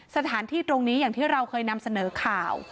สถานที่ตรงนี้อย่างที่เราเคยนำเสนอข่าว